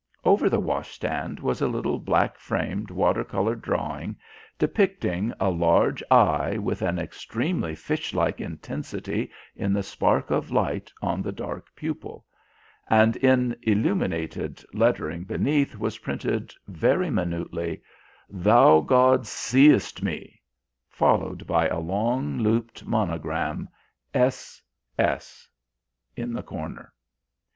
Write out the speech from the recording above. Over the washstand was a little black framed water colour drawing, depicting a large eye with an extremely fishlike intensity in the spark of light on the dark pupil; and in "illuminated" lettering beneath was printed very minutely, "Thou God Seest ME," followed by a long looped monogram, "S.S.," in the corner.